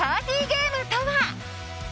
ゲームとは？